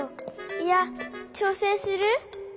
いやちょうせんする？